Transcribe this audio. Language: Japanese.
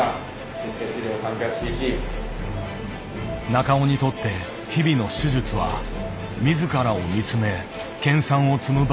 中尾にとって日々の手術は自らを見つめ研さんを積む場でもある。